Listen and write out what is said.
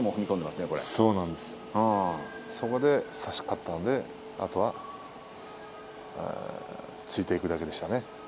そこで差し勝ったので突いていくだけでしたね。